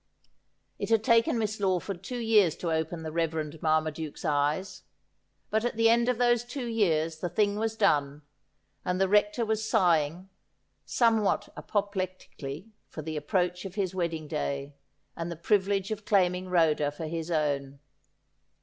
It had taken Miss Lawford two years to open the Reverend Marmaduke's eyes ; but at the end of those two years the thing was done, and the Rector was sighing, somewhat apoplectically, for the approach of his wedding day, and the privilege of claim ing Rhoda for his own.